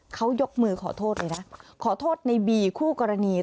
เขายกมือขอโทษเลยนะขอโทษในบีคู่กรณี